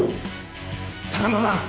鷹野さん！